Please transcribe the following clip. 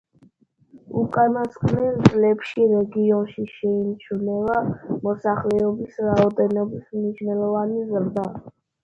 უკანასკნელ წლებში რეგიონში შეიმჩნევა მოსახლეობის რაოდენობის მნიშვნელოვანი ზრდა.